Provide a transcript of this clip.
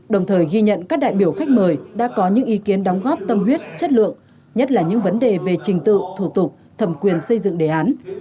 đồng thời ghi nhận các đại biểu khách mời đã có những ý kiến đóng góp tâm huyết chất lượng nhất là những vấn đề về trình tự thủ tục thẩm quyền xây dựng đề án